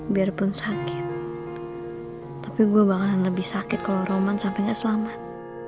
biarpun sakit tapi gue bakalan lebih sakit kalau roman sampainya selamat